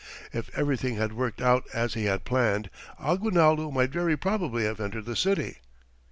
If everything had worked out as he had planned, Aguinaldo might very probably have entered the city.